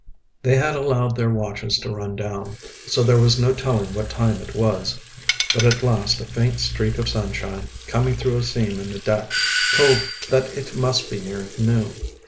They had allowed their watches to run down, so there was no telling what time it was. But at last a faint streak of sunshine, coming through a seam in the deck, told that it must be near noon.